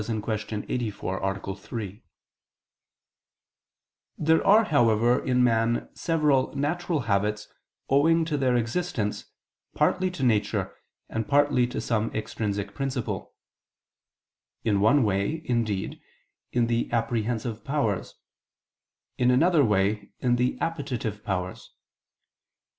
3). There are, therefore, in man certain natural habits, owing their existence, partly to nature, and partly to some extrinsic principle: in one way, indeed, in the apprehensive powers; in another way, in the appetitive powers.